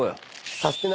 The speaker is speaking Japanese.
サスティな！